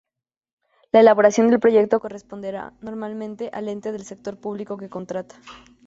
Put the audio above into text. La elaboración del proyecto corresponderá normalmente al ente del sector público que contrata.